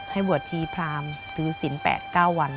ให้บวชจีพรามหรือสินแปะ๙วัน